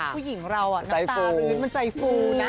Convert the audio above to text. ผู้หญิงเราน้ำตารื้นมันใจฟูนะ